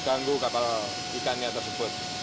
ganggu kapal ikannya tersebut